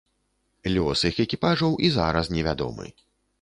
Лёс іх экіпажаў і зараз не вядомы.